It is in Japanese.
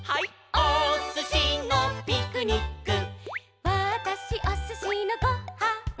「おすしのピクニック」「わたしおすしのご・は・ん」